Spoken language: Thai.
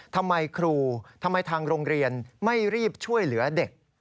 ทำไมครูทำไมทางโรงเรียนไม่รีบช่วยเหลือเด็ก